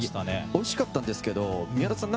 おいしかったんですけど宮田さん